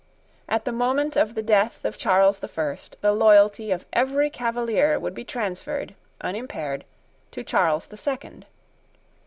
At the moment of the death of Charles the First the loyalty of every Cavalier would be transferred, unimpaired, to Charles the Second.